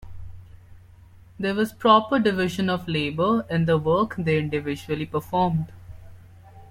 There was proper division of labor in the work they individually performed.